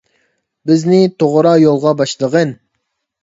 بىزنى توغرا يولغا باشلىغىن،